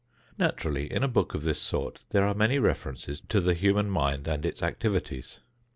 Naturally in a book of this sort there are many references to the human mind and its activities.